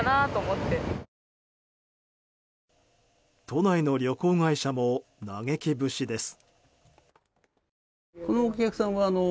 都内の旅行会社も嘆き節です。